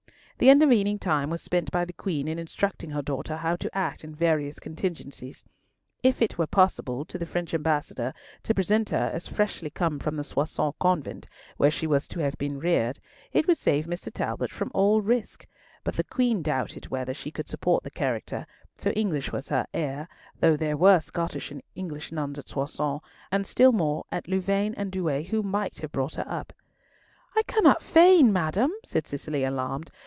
The intervening time was spent by the Queen in instructing her daughter how to act in various contingencies. If it were possible to the French Ambassador to present her as freshly come from the Soissons convent, where she was to have been reared, it would save Mr. Talbot from all risk; but the Queen doubted whether she could support the character, so English was her air, though there were Scottish and English nuns at Soissons, and still more at Louvaine and Douay, who might have brought her up. "I cannot feign, madam," said Cicely, alarmed.